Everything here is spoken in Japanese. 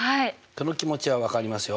その気持ちは分かりますよ。